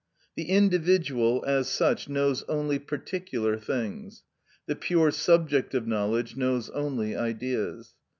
The individual, as such, knows only particular things; the pure subject of knowledge knows only Ideas.